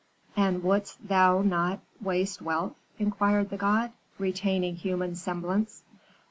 "'And wouldst thou not waste wealth?' inquired the god, retaining human semblance.